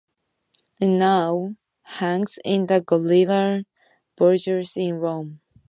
It now hangs in the Galleria Borghese in Rome.